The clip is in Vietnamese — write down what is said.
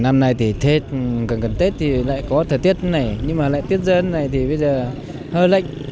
năm nay thì thết cần cần thết thì lại có thời tiết này nhưng mà lại tuyết rơi này thì bây giờ hờ lệnh